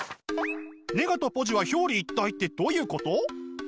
ネガとポジは表裏一体ってどういうこと？